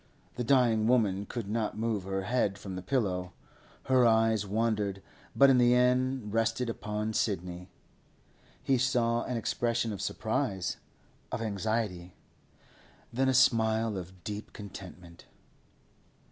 The dying woman could not move her head from the pillow; her eyes wandered, but in the end rested upon Sidney. He saw an expression of surprise, of anxiety, then a smile of deep contentment.